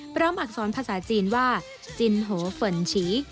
พร้อมอักษรภาษาจีนว่าจินโฮฟันฉี